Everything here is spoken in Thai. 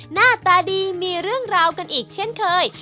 หน้าตาดีมีเรื่องราวกันอีกเช่นเคย